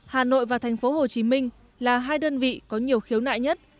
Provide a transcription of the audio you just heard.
hà nội và thành phố hồ chí minh là hai đơn vị có nhiều khiếu nại nhất